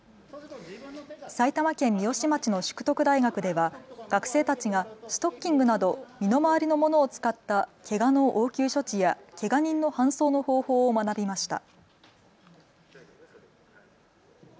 埼玉県三芳町の淑徳大学では学生たちがストッキングなど身の回りのものを使ったけがの応急処置やけが人の搬送の方法を学びました。